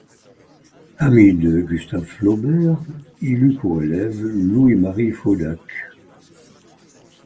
Ami de Gustave Flaubert, il eut pour élève Louis-Marie Faudacq.